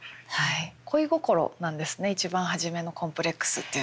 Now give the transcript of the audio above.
恋心なんですね一番初めのコンプレックスっていうのが。